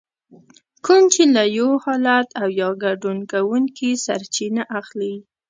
کوم چې له يو حالت او يا ګډون کوونکي سرچينه اخلي.